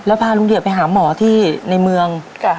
แล้วพาลุงเดชไปหาหมอที่ในเมือง